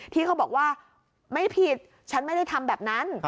ที่เขาบอกว่าไม่ผิดฉันไม่ได้ทำแบบนั้น